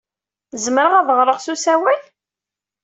Zemreɣ ad ɣreɣ s usawal?